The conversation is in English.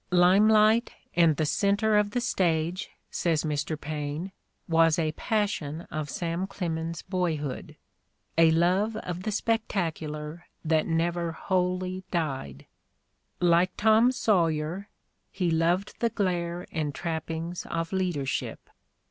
"Limelight and the center of the stage," says Mr. Paine, "was a passion of Sam Clemens 'a boyhood, a love of the spectacular that never wholly died. ... Like Tom Sawyer, he loved the glare and trappings of leadership."